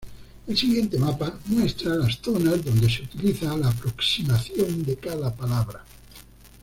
El siguiente mapa muestra las zonas donde se utiliza la aproximación de cada palabra.